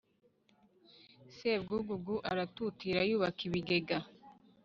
sebwugugu aratutira yubaka ibigega,